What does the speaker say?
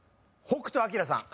北斗晶さん